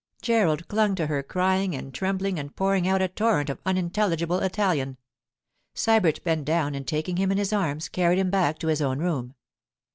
Gerald clung to her, crying and trembling and pouring out a torrent of unintelligible Italian. Sybert bent down, and taking him in his arms, carried him back to his own room.